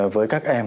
với các em